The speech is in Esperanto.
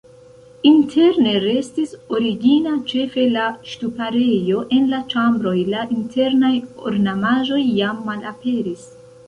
Interne restis origina ĉefe la ŝtuparejo, en la ĉambroj la internaj ornamaĵoj jam malaperis.